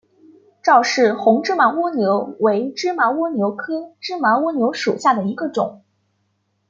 赵氏红芝麻蜗牛为芝麻蜗牛科芝麻蜗牛属下的一个种。